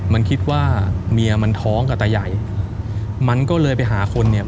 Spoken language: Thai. มันคิดว่าเมียมันท้องกับตาใหญ่มันก็เลยไปหาคนเนี่ย